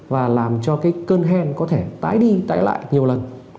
và làm cho cái cơn hen có thể tái đi tái lại nhiều lần